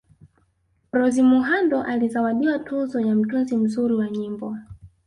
Rose Muhando alizawadiwa tuzo ya Mtunzi mzuri wa nyimbo